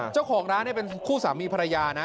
เจ้าของร้านเป็นคู่สามีภรรยานะ